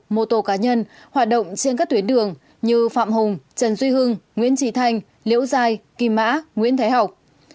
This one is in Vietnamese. mô tô cá nhân hoạt động trên các tuyến đường như phạm hùng trần duy hưng nguyễn trí thanh liễu giai kim mã nguyễn thái học